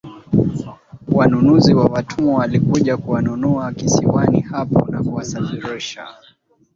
Wanunuzi wa watumwa walikuja kuwanunua kisiwani hapo na kuwasafirisha